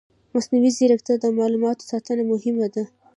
مصنوعي ځیرکتیا د معلوماتو ساتنه مهمه کوي.